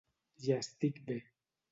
Ja estic bé.